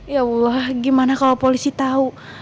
ya allah gimana kalau polisi tahu